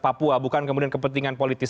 papua bukan kepentingan politik